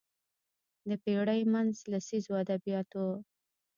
د پېړۍ منځ لسیزو ادبیات وو